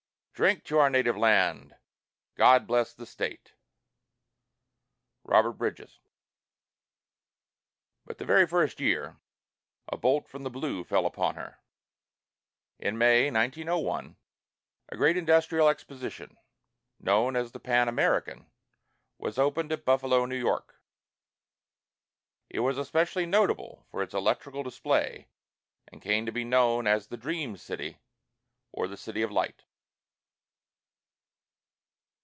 Drink to Our Native Land! God Bless the State! ROBERT BRIDGES. But the very first year, a bolt from the blue fell upon her. In May, 1901, a great industrial exposition, known as the "Pan American," was opened at Buffalo, New York. It was especially notable for its electrical display and came to be known as "The Dream City," or "The City of Light."